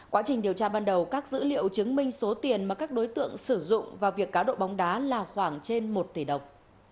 quá trình điều tra ban đầu các dữ liệu chứng minh số tiền mà các đối tượng sử dụng vào việc cá độ bóng đá là khoảng trên một tỷ đồng